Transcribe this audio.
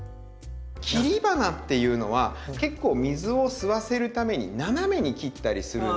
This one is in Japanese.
切り花っていうのは結構水を吸わせるために斜めに切ったりするんですよ。